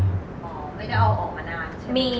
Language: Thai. หมอไม่ได้เอาออกมานานใช่ไหม